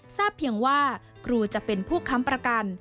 ทราบเพียงว่าครูจะเป็นผู้ค้ำประกัน